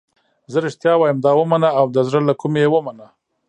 زه رښتیا وایم دا ومنه او د زړه له کومې یې ومنه.